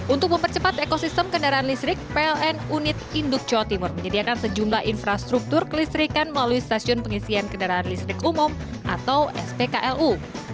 untuk mempercepat ekosistem kendaraan listrik pln unit induk jawa timur menyediakan sejumlah infrastruktur kelistrikan melalui stasiun pengisian kendaraan listrik umum atau spklu